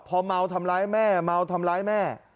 พอเมาทำร้ายแม่เมาทำร้ายแม่